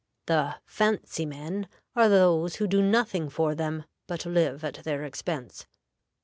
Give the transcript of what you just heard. The "fancy men" are those who do nothing for them, but live at their expense.